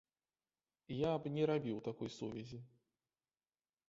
Я б не рабіў такой сувязі.